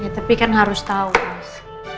ya tapi kan harus tau mas